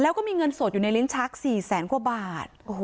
แล้วก็มีเงินสดอยู่ในลิ้นชัก๔แสนกว่าบาท